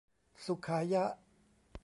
สุขายะ